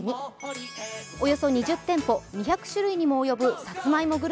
およそ２０店舗、２００種類にも及ぶさつまいも